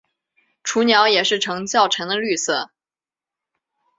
雏鸟也是呈较沉的绿色。